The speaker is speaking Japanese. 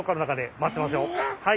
はい。